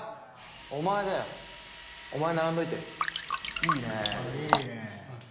お前だよお前並んどいていいねいいねぇうん